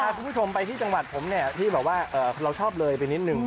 มาข้อมูลชมไปที่จำหวัดผมนี่ที่บอกว่าเราชอบเลยนิดหนึ่ง